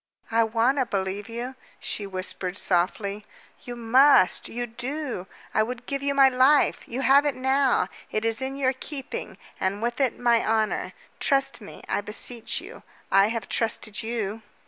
"I want to believe you," she whispered softly. "You must you do! I would give you my life. You have it now. It is in your keeping, and with it my honor. Trust me, I beseech you. I have trusted you."